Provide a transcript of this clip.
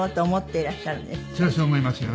それはそう思いますよ。